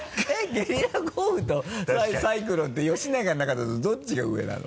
ゲリラ豪雨とサイクロンって吉永の中だとどっちが上なの？